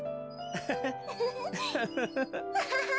ハハハハハ。